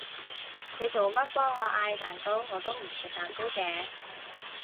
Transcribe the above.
你做乜幫我嗌蛋糕？我都唔食蛋糕嘅